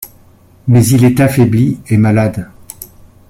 Mais il est affaibli et malade.